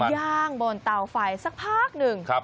ย่างบนเตาไฟสักพักหนึ่ง